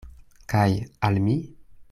Kaj al mi?